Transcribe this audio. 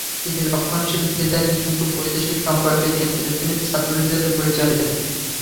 তিনি রক্ষণশীল ছিলেন, কিন্তু বৈদেশিক সম্পর্কের ক্ষেত্রে তিনি চাতুর্যের পরিচয় দেন।